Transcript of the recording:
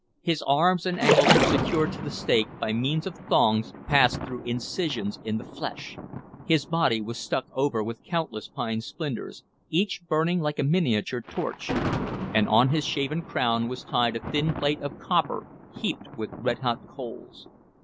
His arms and ankles were secured to the stake by means of thongs passed through incisions in the flesh; his body was stuck over with countless pine splinters, each burning like a miniature torch; and on his shaven crown was tied a thin plate of copper heaped with red hot coals.